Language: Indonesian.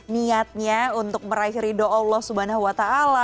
niatnya untuk meraih ridho allah swt